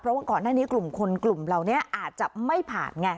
เพราะว่าก่อนหน้านี้กลุ่มคนกลุ่มเหล่านี้อาจจะไม่ผ่านไง